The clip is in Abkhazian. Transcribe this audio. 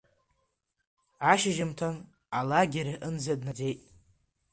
Ашьжьымҭан алагер аҟынӡа днаӡеит.